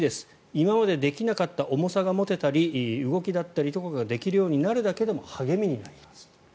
今までできなかった重さが持てたり動きだったりとかができるようになるだけでも励みになると。